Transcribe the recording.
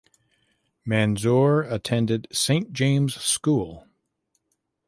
Manzoor attended St James School.